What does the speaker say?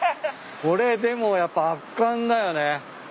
これでもやっぱ圧巻だよね。